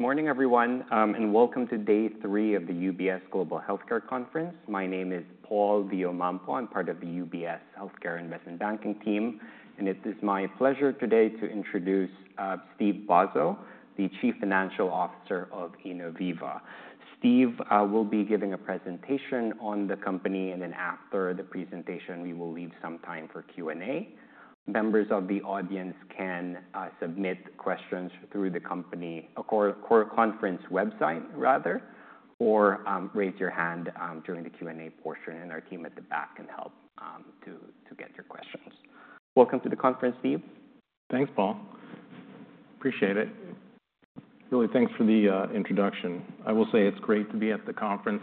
Good morning, everyone, and welcome to day three of the UBS Global Healthcare Conference. My name is Paul Villamampo. I'm part of the UBS Healthcare Investment Banking team, and it is my pleasure today to introduce Steve Basso, the Chief Financial Officer of Innoviva. Steve will be giving a presentation on the company, and then after the presentation, we will leave some time for Q&A. Members of the audience can submit questions through the company core conference website or raise your hand during the Q&A portion, and our team at the back can help to get your questions. Welcome to the conference, Steve. Thanks, Paul. Appreciate it. Really, thanks for the introduction. I will say it's great to be at the conference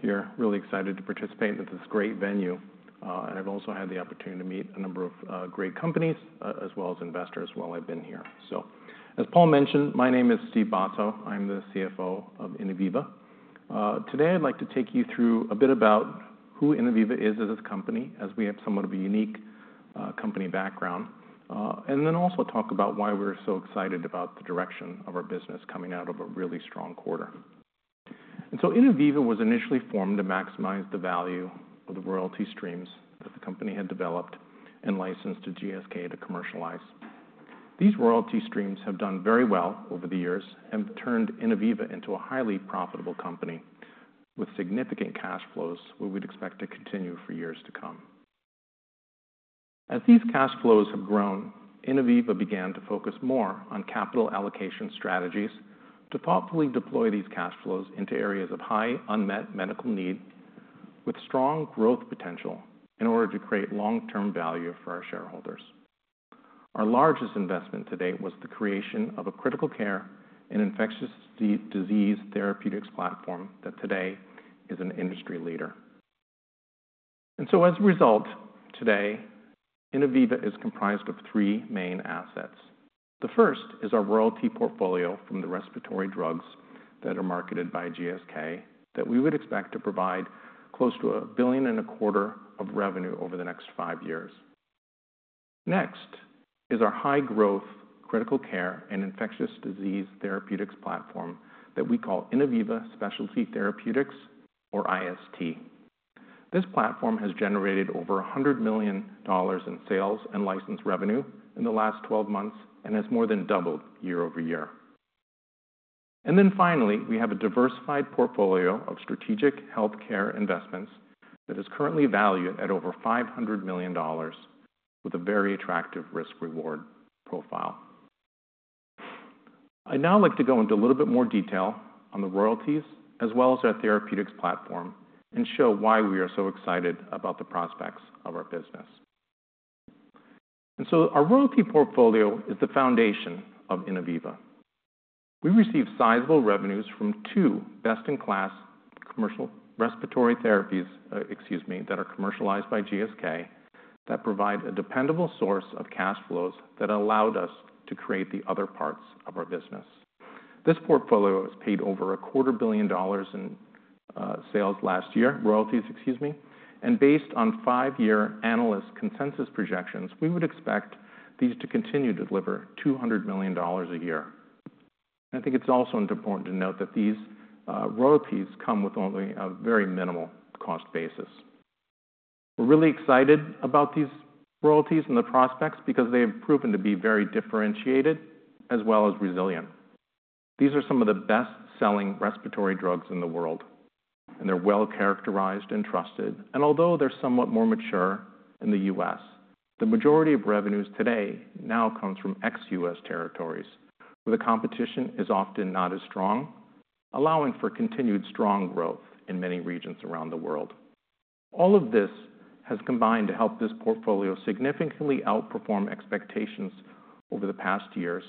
here. Really excited to participate in this great venue. And I've also had the opportunity to meet a number of great companies as well as investors while I've been here. So, as Paul mentioned, my name is Steve Basso. I'm the CFO of Innoviva. Today, I'd like to take you through a bit about who Innoviva is as a company, as we have somewhat of a unique company background, and then also talk about why we're so excited about the direction of our business coming out of a really strong quarter. And so, Innoviva was initially formed to maximize the value of the royalty streams that the company had developed and licensed to GSK to commercialize. These royalty streams have done very well over the years and have turned Innoviva into a highly profitable company with significant cash flows where we'd expect to continue for years to come. As these cash flows have grown, Innoviva began to focus more on capital allocation strategies to thoughtfully deploy these cash flows into areas of high unmet medical need with strong growth potential in order to create long-term value for our shareholders. Our largest investment to date was the creation of a critical care and infectious disease therapeutics platform that today is an industry leader, and so, as a result today, Innoviva is comprised of three main assets. The first is our royalty portfolio from the respiratory drugs that are marketed by GSK that we would expect to provide close to $1.25 billion of revenue over the next five years. Next is our high-growth critical care and infectious disease therapeutics platform that we call Innoviva Specialty Therapeutics, or IST. This platform has generated over $100 million in sales and license revenue in the last 12 months and has more than doubled year over year. And then finally, we have a diversified portfolio of strategic healthcare investments that is currently valued at over $500 million with a very attractive risk-reward profile. I'd now like to go into a little bit more detail on the royalties as well as our therapeutics platform and show why we are so excited about the prospects of our business. And so, our royalty portfolio is the foundation of Innoviva. We received sizable revenues from two best-in-class commercial respiratory therapies, excuse me, that are commercialized by GSK that provide a dependable source of cash flows that allowed us to create the other parts of our business. This portfolio has paid over $250 million in sales last year, royalties, excuse me. And based on five-year analyst consensus projections, we would expect these to continue to deliver $200 million a year. And I think it's also important to note that these royalties come with only a very minimal cost basis. We're really excited about these royalties and the prospects because they have proven to be very differentiated as well as resilient. These are some of the best-selling respiratory drugs in the world, and they're well characterized and trusted. And although they're somewhat more mature in the U.S., the majority of revenues today now come from ex-U.S. territories where the competition is often not as strong, allowing for continued strong growth in many regions around the world. All of this has combined to help this portfolio significantly outperform expectations over the past years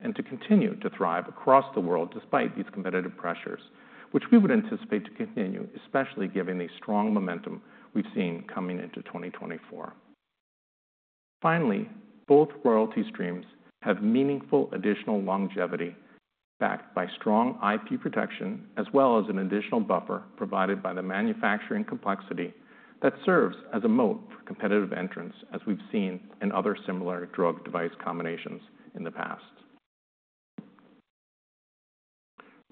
and to continue to thrive across the world despite these competitive pressures, which we would anticipate to continue, especially given the strong momentum we've seen coming into 2024. Finally, both royalty streams have meaningful additional longevity backed by strong IP protection as well as an additional buffer provided by the manufacturing complexity that serves as a moat for competitive entrance as we've seen in other similar drug-device combinations in the past.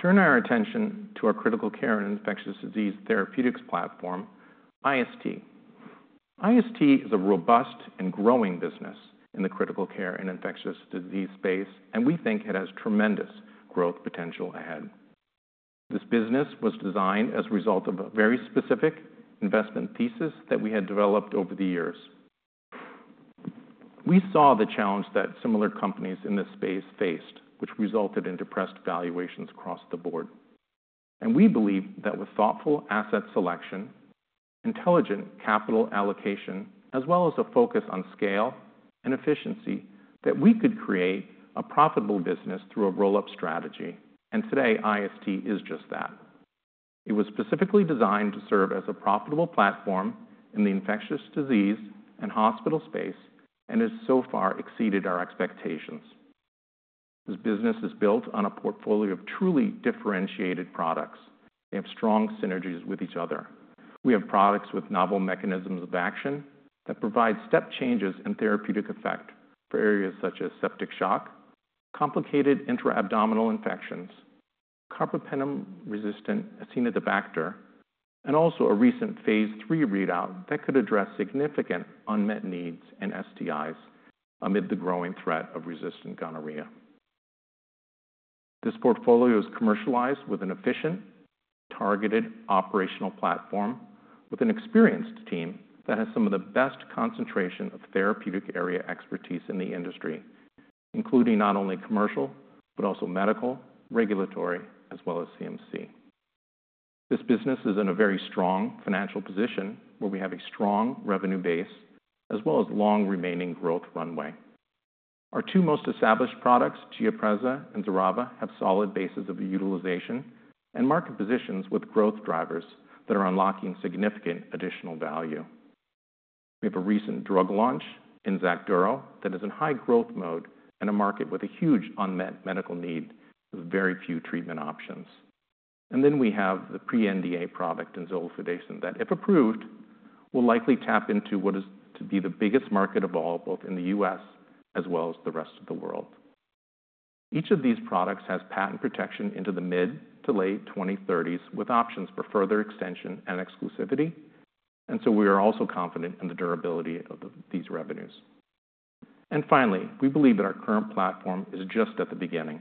Turn our attention to our critical care and infectious disease therapeutics platform, IST. IST is a robust and growing business in the critical care and infectious disease space, and we think it has tremendous growth potential ahead. This business was designed as a result of a very specific investment thesis that we had developed over the years. We saw the challenge that similar companies in this space faced, which resulted in depressed valuations across the board, and we believe that with thoughtful asset selection, intelligent capital allocation, as well as a focus on scale and efficiency, that we could create a profitable business through a roll-up strategy, and today, IST is just that. It was specifically designed to serve as a profitable platform in the infectious disease and hospital space and has so far exceeded our expectations. This business is built on a portfolio of truly differentiated products. They have strong synergies with each other. We have products with novel mechanisms of action that provide step changes in therapeutic effect for areas such as septic shock, complicated intra-abdominal infections, carbapenem-resistant Acinetobacter, and also a recent phase three readout that could address significant unmet needs and STIs amid the growing threat of resistant gonorrhea. This portfolio is commercialized with an efficient, targeted operational platform with an experienced team that has some of the best concentration of therapeutic area expertise in the industry, including not only commercial but also medical, regulatory, as well as CMC. This business is in a very strong financial position where we have a strong revenue base as well as long remaining growth runway. Our two most established products, Giapreza and Xerava, have solid bases of utilization and market positions with growth drivers that are unlocking significant additional value. We have a recent drug launch in Xacduro that is in high growth mode and a market with a huge unmet medical need with very few treatment options. Then we have the pre-NDA product in zoliflodacin that, if approved, will likely tap into what is to be the biggest market of all, both in the U.S. as well as the rest of the world. Each of these products has patent protection into the mid- to late 2030s with options for further extension and exclusivity. So, we are also confident in the durability of these revenues. Finally, we believe that our current platform is just at the beginning.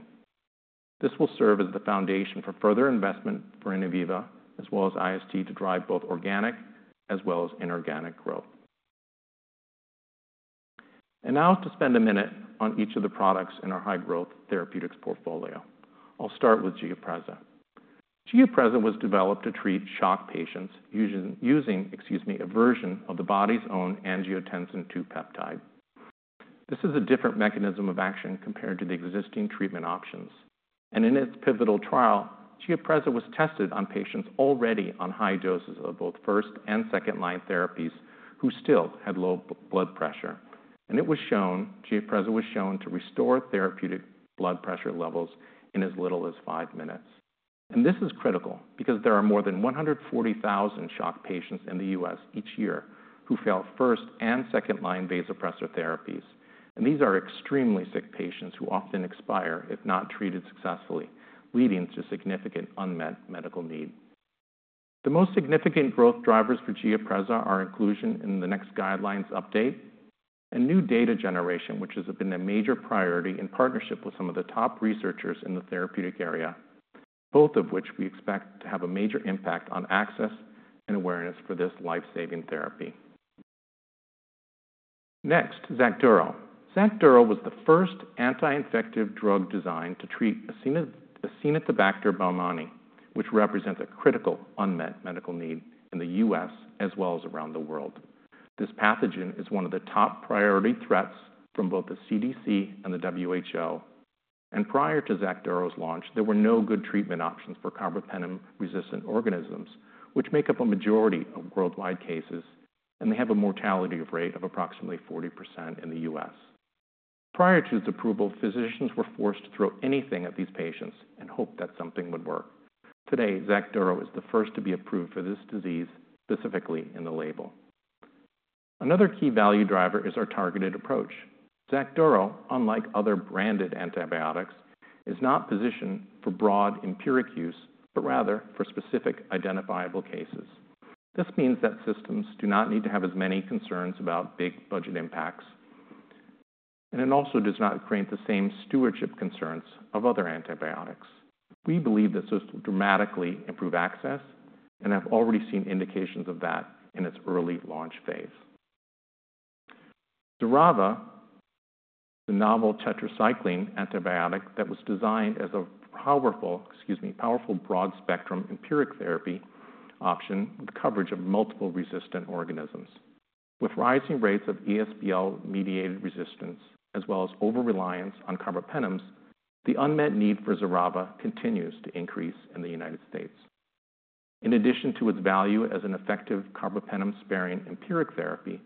This will serve as the foundation for further investment for Innoviva as well as IST to drive both organic as well as inorganic growth. Now to spend a minute on each of the products in our high-growth therapeutics portfolio. I'll start with Giapreza . Giapreza was developed to treat shock patients using, excuse me, a version of the body's own Angiotensin II peptide. This is a different mechanism of action compared to the existing treatment options, and in its pivotal trial, Giapreza was tested on patients already on high doses of both first- and second-line therapies who still had low blood pressure, and Giapreza was shown to restore therapeutic blood pressure levels in as little as five minutes. This is critical because there are more than 140,000 shock patients in the U.S. each year who fail first- and second-line vasopressor therapies, and these are extremely sick patients who often expire if not treated successfully, leading to significant unmet medical need. The most significant growth drivers for Giapreza are inclusion in the next guidelines update and new data generation, which has been a major priority in partnership with some of the top researchers in the therapeutic area, both of which we expect to have a major impact on access and awareness for this lifesaving therapy. Next, Xacduro. Xacduro was the first anti-infective drug designed to treat Acinetobacter baumannii, which represents a critical unmet medical need in the U.S. as well as around the world. This pathogen is one of the top priority threats from both the CDC and the WHO. And prior to Xacduro's launch, there were no good treatment options for carbapenem-resistant organisms, which make up a majority of worldwide cases, and they have a mortality rate of approximately 40% in the U.S. Prior to its approval, physicians were forced to throw anything at these patients and hope that something would work. Today, Xacduro is the first to be approved for this disease specifically in the label. Another key value driver is our targeted approach. Xacduro, unlike other branded antibiotics, is not positioned for broad empiric use, but rather for specific identifiable cases. This means that systems do not need to have as many concerns about big budget impacts, and it also does not create the same stewardship concerns of other antibiotics. We believe this will dramatically improve access and have already seen indications of that in its early launch phase. Xerava is a novel tetracycline antibiotic that was designed as a powerful, excuse me, powerful broad-spectrum empiric therapy option with coverage of multiple resistant organisms. With rising rates of ESBL-mediated resistance as well as over-reliance on carbapenems, the unmet need for Xerava continues to increase in the United States. In addition to its value as an effective carbapenem-sparing empiric therapy,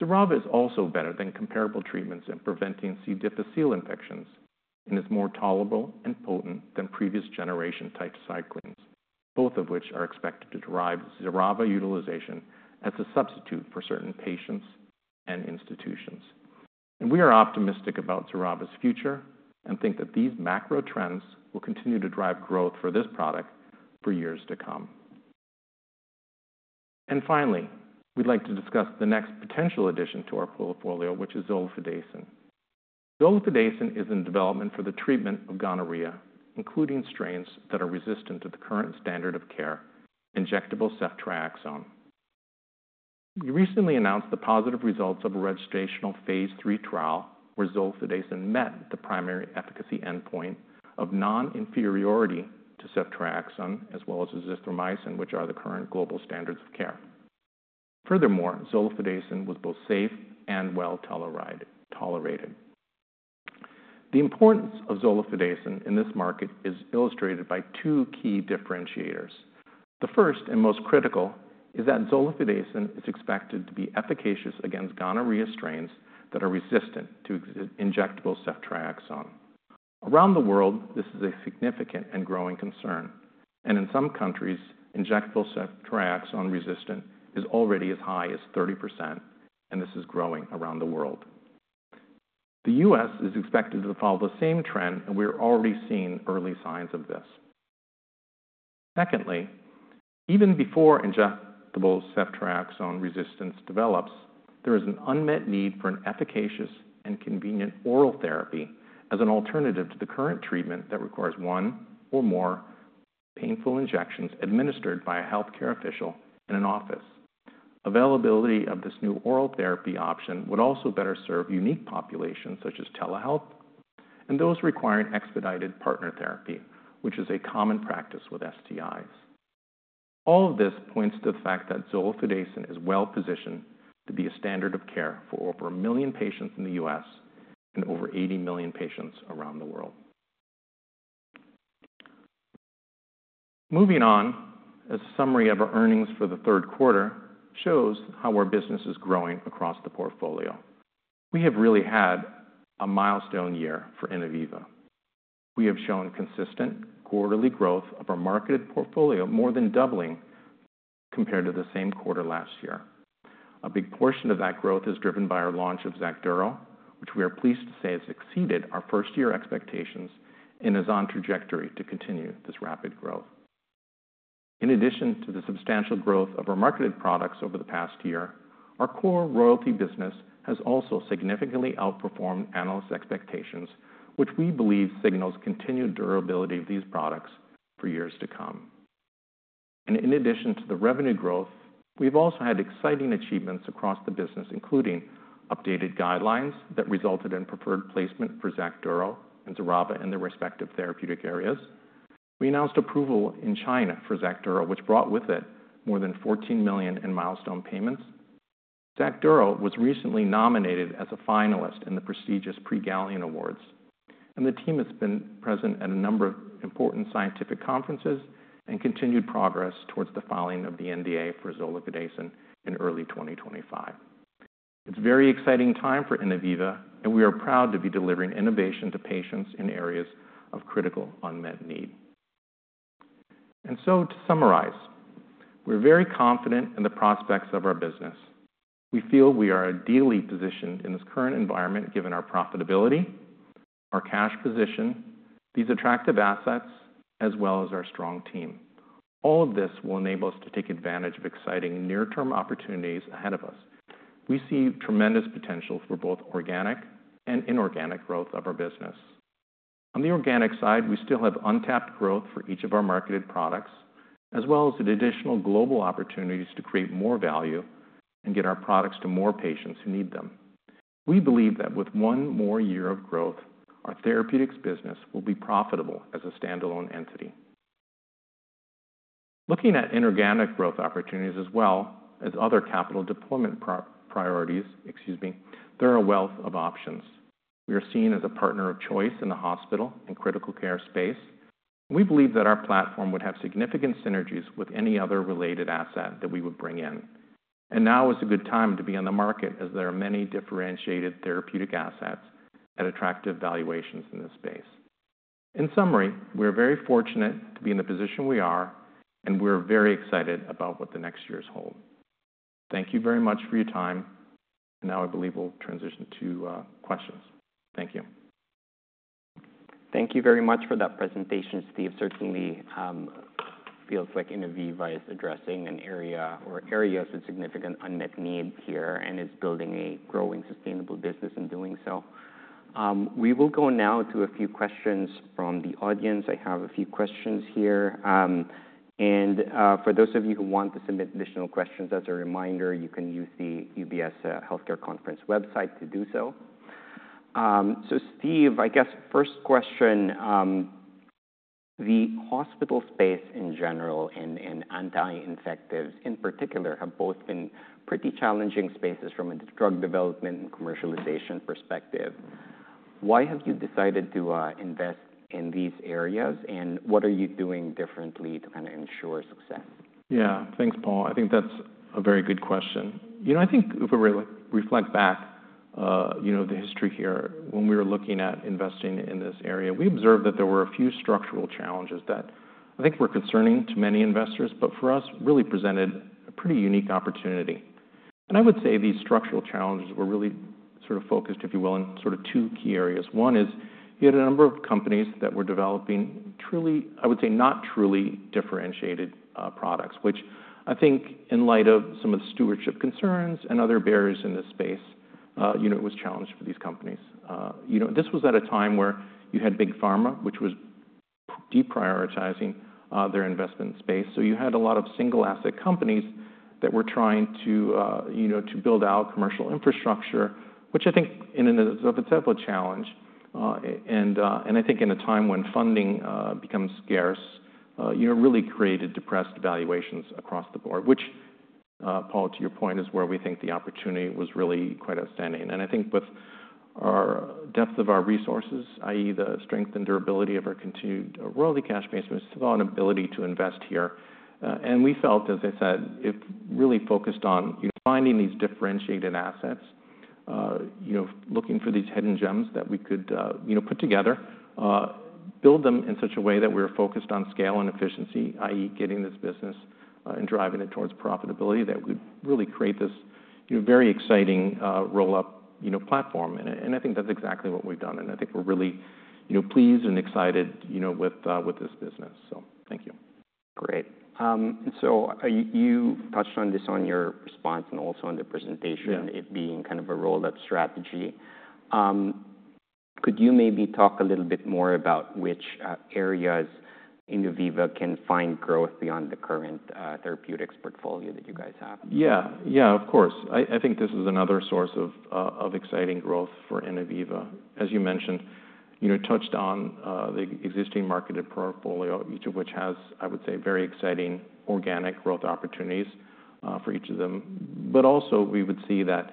Xerava is also better than comparable treatments in preventing C. difficile infections and is more tolerable and potent than previous-generation tetracyclines, both of which are expected to derive Xerava utilization as a substitute for certain patients and institutions. And we are optimistic about Xerava's future and think that these macro trends will continue to drive growth for this product for years to come. And finally, we'd like to discuss the next potential addition to our portfolio, which is zoliflodacin. Zoliflodacin is in development for the treatment of gonorrhea, including strains that are resistant to the current standard of care, injectable ceftriaxone. We recently announced the positive results of a registrational phase III trial where zoliflodacin met the primary efficacy endpoint of non-inferiority to ceftriaxone as well as azithromycin, which are the current global standards of care. Furthermore, zoliflodacin was both safe and well tolerated. The importance of zoliflodacin in this market is illustrated by two key differentiators. The first and most critical is that zoliflodacin is expected to be efficacious against gonorrhea strains that are resistant to injectable ceftriaxone. Around the world, this is a significant and growing concern, and in some countries, injectable ceftriaxone resistance is already as high as 30%, and this is growing around the world. The U.S. is expected to follow the same trend, and we are already seeing early signs of this. Secondly, even before injectable ceftriaxone resistance develops, there is an unmet need for an efficacious and convenient oral therapy as an alternative to the current treatment that requires one or more painful injections administered by a healthcare official in an office. Availability of this new oral therapy option would also better serve unique populations such as telehealth and those requiring expedited partner therapy, which is a common practice with STIs. All of this points to the fact that zoliflodacin is well positioned to be a standard of care for over a million patients in the U.S. and over 80 million patients around the world. Moving on, as a summary of our earnings for the third quarter shows how our business is growing across the portfolio. We have really had a milestone year for Innoviva. We have shown consistent quarterly growth of our marketed portfolio more than doubling compared to the same quarter last year. A big portion of that growth is driven by our launch of Xacduro, which we are pleased to say has exceeded our first-year expectations and is on trajectory to continue this rapid growth. In addition to the substantial growth of our marketed products over the past year, our core royalty business has also significantly outperformed analyst expectations, which we believe signals continued durability of these products for years to come. And in addition to the revenue growth, we've also had exciting achievements across the business, including updated guidelines that resulted in preferred placement for Xacduro and Xerava in their respective therapeutic areas. We announced approval in China for Xacduro, which brought with it more than $14 million in milestone payments. Xacduro was recently nominated as a finalist in the prestigious Prix Galien Awards, and the team has been present at a number of important scientific conferences and continued progress towards the filing of the NDA for zoliflodacin in early 2025. It's a very exciting time for Innoviva, and we are proud to be delivering innovation to patients in areas of critical unmet need, and so, to summarize, we're very confident in the prospects of our business. We feel we are ideally positioned in this current environment given our profitability, our cash position, these attractive assets, as well as our strong team. All of this will enable us to take advantage of exciting near-term opportunities ahead of us. We see tremendous potential for both organic and inorganic growth of our business. On the organic side, we still have untapped growth for each of our marketed products, as well as additional global opportunities to create more value and get our products to more patients who need them. We believe that with one more year of growth, our therapeutics business will be profitable as a standalone entity. Looking at inorganic growth opportunities as well as other capital deployment priorities, excuse me, there are a wealth of options. We are seen as a partner of choice in the hospital and critical care space. We believe that our platform would have significant synergies with any other related asset that we would bring in, and now is a good time to be on the market as there are many differentiated therapeutic assets at attractive valuations in this space. In summary, we are very fortunate to be in the position we are, and we are very excited about what the next years hold. Thank you very much for your time. And now I believe we'll transition to questions. Thank you. Thank you very much for that presentation, Steve. Certainly, it feels like Innoviva is addressing an area or areas with significant unmet need here and is building a growing sustainable business in doing so. We will go now to a few questions from the audience. I have a few questions here. And for those of you who want to submit additional questions, as a reminder, you can use the UBS Healthcare Conference website to do so. So, Steve, I guess first question, the hospital space in general and anti-infectives in particular have both been pretty challenging spaces from a drug development and commercialization perspective. Why have you decided to invest in these areas, and what are you doing differently to kind of ensure success? Yeah, thanks, Paul. I think that's a very good question. You know, I think if we reflect back, you know, the history here, when we were looking at investing in this area, we observed that there were a few structural challenges that I think were concerning to many investors, but for us, really presented a pretty unique opportunity. And I would say these structural challenges were really sort of focused, if you will, in sort of two key areas. One is you had a number of companies that were developing truly, I would say, not truly differentiated products, which I think in light of some of the stewardship concerns and other barriers in this space, you know, it was challenged for these companies. You know, this was at a time where you had big pharma, which was deprioritizing their investment space. So you had a lot of single-asset companies that were trying to, you know, to build out commercial infrastructure, which I think in and of itself was a challenge. And I think in a time when funding becomes scarce, you know, it really created depressed valuations across the board, which, Paul, to your point, is where we think the opportunity was really quite outstanding. And I think with our depth of our resources, i.e., the strength and durability of our continued royalty cash base, we still have an ability to invest here. We felt, as I said, it really focused on finding these differentiated assets, you know, looking for these hidden gems that we could, you know, put together, build them in such a way that we were focused on scale and efficiency, i.e., getting this business and driving it towards profitability that would really create this very exciting roll-up platform. I think that's exactly what we've done. I think we're really, you know, pleased and excited, you know, with this business. Thank you. Great. And so you touched on this on your response and also on the presentation, it being kind of a roll-up strategy. Could you maybe talk a little bit more about which areas Innoviva can find growth beyond the current therapeutics portfolio that you guys have? Yeah, yeah, of course. I think this is another source of exciting growth for Innoviva. As you mentioned, you know, touched on the existing marketed portfolio, each of which has, I would say, very exciting organic growth opportunities for each of them. But also we would see that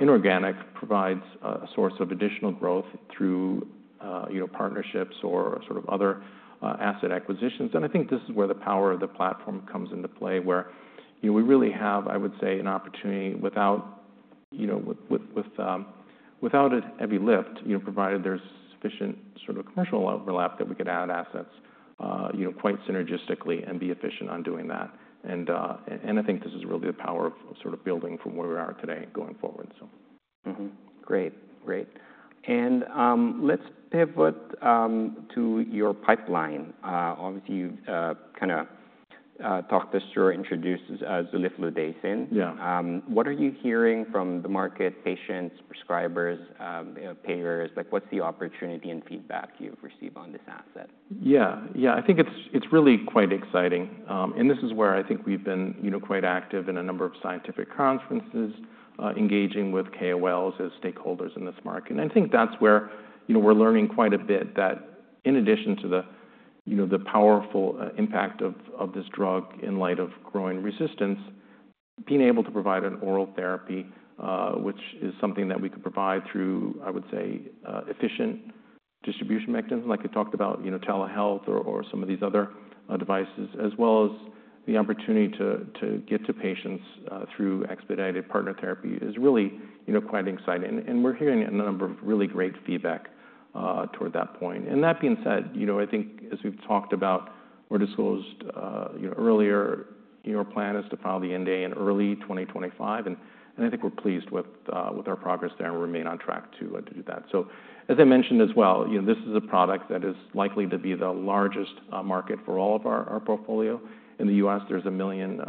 inorganic provides a source of additional growth through, you know, partnerships or sort of other asset acquisitions. And I think this is where the power of the platform comes into play, where, you know, we really have, I would say, an opportunity without, you know, without a heavy lift, you know, provided there's sufficient sort of commercial overlap that we could add assets, you know, quite synergistically and be efficient on doing that. And I think this is really the power of sort of building from where we are today going forward, so. Great, great. And let's pivot to your pipeline. Obviously, you've kind of talked this through or introduced zoliflodacin. Yeah. What are you hearing from the market, patients, prescribers, payers? Like, what's the opportunity and feedback you've received on this asset? Yeah, yeah, I think it's really quite exciting. And this is where I think we've been, you know, quite active in a number of scientific conferences, engaging with KOLs as stakeholders in this market. And I think that's where, you know, we're learning quite a bit that in addition to the, you know, the powerful impact of this drug in light of growing resistance, being able to provide an oral therapy, which is something that we could provide through, I would say, efficient distribution mechanism, like I talked about, you know, telehealth or some of these other devices, as well as the opportunity to get to patients through expedited partner therapy is really, you know, quite exciting. And we're hearing a number of really great feedback toward that point. That being said, you know, I think as we've talked about or disclosed, you know, earlier, your plan is to file the NDA in early 2025. I think we're pleased with our progress there and remain on track to do that. As I mentioned as well, you know, this is a product that is likely to be the largest market for all of our portfolio. In the U.S., there's a million,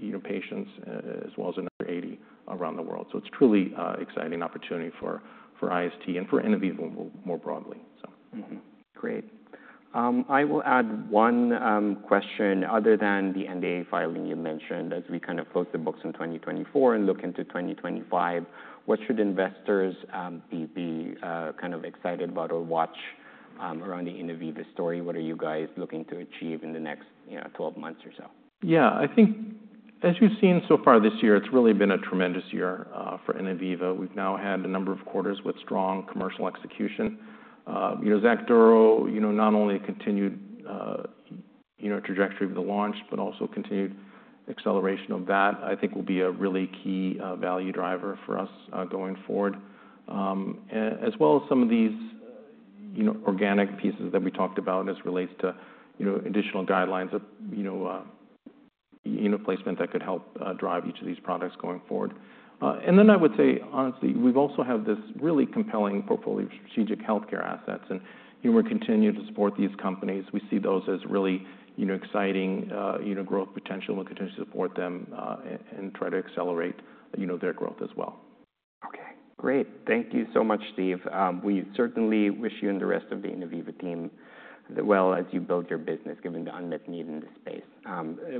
you know, patients as well as another 80 around the world. It's truly an exciting opportunity for IST and for Innoviva more broadly, so. Great. I will add one question. Other than the NDA filing you mentioned, as we kind of close the books in 2024 and look into 2025, what should investors be kind of excited about or watch around the Innoviva story? What are you guys looking to achieve in the next 12 months or so? Yeah, I think as we've seen so far this year, it's really been a tremendous year for Innoviva. We've now had a number of quarters with strong commercial execution. You know, Xacduro, you know, not only continued, you know, trajectory of the launch, but also continued acceleration of that, I think will be a really key value driver for us going forward. As well as some of these, you know, organic pieces that we talked about as it relates to, you know, additional guidelines of, you know, you know, placement that could help drive each of these products going forward. And then I would say, honestly, we've also had this really compelling portfolio of strategic healthcare assets. And, you know, we're continuing to support these companies. We see those as really, you know, exciting, you know, growth potential. We'll continue to support them and try to accelerate, you know, their growth as well. Okay, great. Thank you so much, Steve. We certainly wish you and the rest of the Innoviva team well as you build your business, given the unmet need in this space.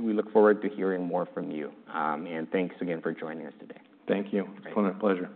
We look forward to hearing more from you, and thanks again for joining us today. Thank you. It's been a pleasure.